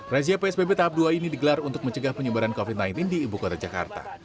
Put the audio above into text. razia psbb tahap dua ini digelar untuk mencegah penyebaran covid sembilan belas di ibu kota jakarta